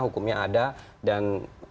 hukumnya ada dan